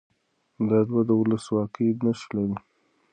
دا دود د ولسواکۍ نښې لري.